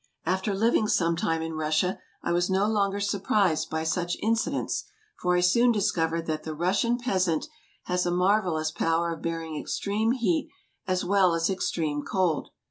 After living some time in Russia I was no longer sur prised by such incidents, for I soon discovered that the Rus sian peasant has a marvelous power of bearing extreme heat as well as extreme cold.